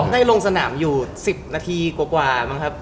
ได้ลงสนามอยู่๑๐นาทีกว่ามั้งครับ